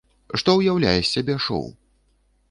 Што ўяўляе з сябе шоў?